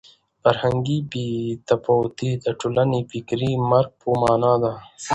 فرهنګي بې تفاوتي د ټولنې د فکري مرګ په مانا ده.